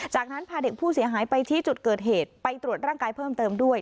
จากนั้นพาเด็กผู้เสียหายไปที่จุดเกิดเหตุไปตรวจร่างกายเพิ่มเติมด้วย